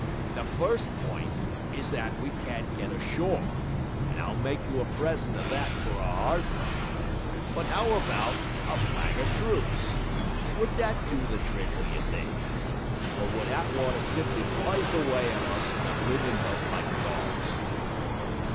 The first point is that we can't get ashore, and I'll make you a present of that for a 'ard one. But 'ow about a flag of truce? Would that do the trick, d'ye think? or would Attwater simply blyze aw'y at us in the bloomin' boat like dawgs?'